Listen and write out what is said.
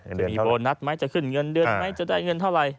จะมีโบนัสไหมจะขึ้นเงินเดือนไหมจะได้เงินเท่าไหร่